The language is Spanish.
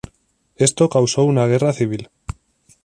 Esto causó una guerra civil.